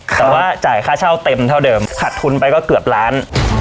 แต่ว่าจ่ายค่าเช่าเต็มเท่าเดิมขัดทุนไปก็เกือบล้าน